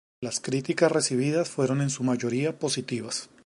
Las críticas recibidas fueron en su mayoría positivas.